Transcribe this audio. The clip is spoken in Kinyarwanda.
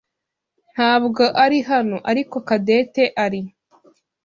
ntabwo ari hano, ariko Cadette ari.